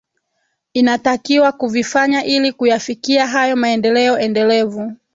inatakiwa kuvifanya ili kuyafikia hayo maendeleo endelevu